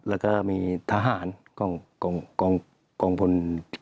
แล้วก็มีทหารกองพล